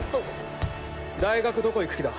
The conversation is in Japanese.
大学どこ行く気だ？